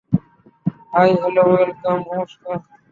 High, hello, welcome, নমস্কার!